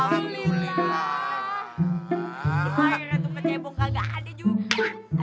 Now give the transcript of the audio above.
akhirnya tuh kecebong kagak ada juga